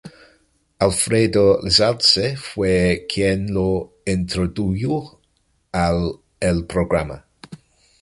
Alfredo Zalce fue quien lo introdujo al el programa.